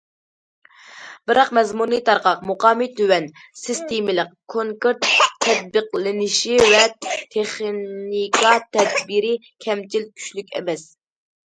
بىراق مەزمۇنى تارقاق، مۇقامى تۆۋەن، سىستېمىلىق، كونكرېت تەتبىقلىنىشى ۋە تېخنىكا تەدبىرى كەمچىل، كۈچلۈك ئەمەس.